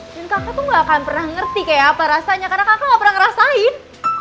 dan kakak tuh gak akan pernah ngerti kayak apa rasanya karena kakak gak pernah ngerasain